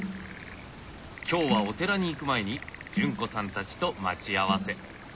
今日はお寺に行く前に潤子さんたちと待ち合わせ。